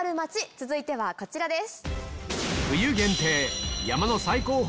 続いてはこちらです。